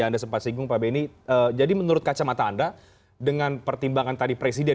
anda sempat singgung pak benny jadi menurut kacamata anda dengan pertimbangan tadi presiden